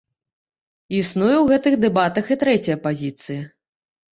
Існуе ў гэтых дэбатах і трэцяя пазіцыя.